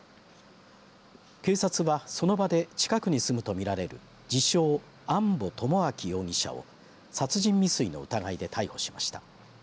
警察は、その場で近くに住むと見られる自称、安保智明容疑者を殺人未遂の疑いで逮捕しました。